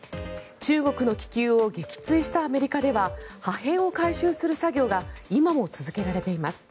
中国の気球を撃墜したアメリカでは破片を回収する作業が今も続けられています。